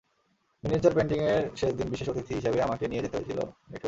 Miniature পেইন্টিংয়ের শেষ দিন বিশেষ অতিথি হিসেবে আমাকে নিয়ে যেতে চেয়েছিল মিঠু।